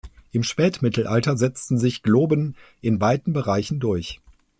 Im Spätmittelalter setzten sich Globen in weiten Bereichen durch.